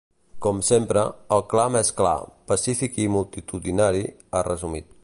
Com sempre, el clam és clar, pacífic i multitudinari, ha resumit.